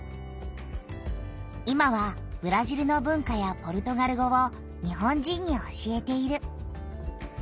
今はブラジルの文化やポルトガル語を日本人に教えている。